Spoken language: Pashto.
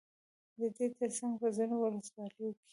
ددې ترڅنگ په ځينو ولسواليو كې